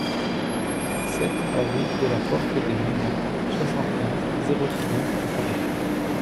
sept aV DE LA PORTE DES LILAS, soixante-quinze, zéro dix-neuf à Paris